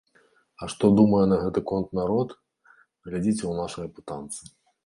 А што думае на гэты конт народ, глядзіце ў нашай апытанцы.